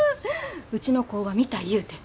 うちの工場見たいいうて。